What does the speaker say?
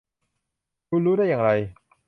คุณรู้ได้อย่างไร